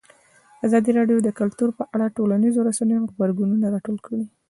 ازادي راډیو د کلتور په اړه د ټولنیزو رسنیو غبرګونونه راټول کړي.